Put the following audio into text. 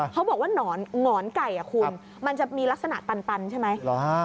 เขาบอกว่าหนอนไก่คุณมันจะมีลักษณะตันใช่ไหม